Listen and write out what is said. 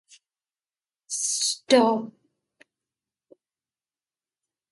Both series were published by Image Comics.